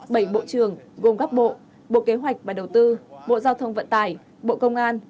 bảy bộ trưởng gồm các bộ bộ kế hoạch và đầu tư bộ giao thông vận tải bộ công an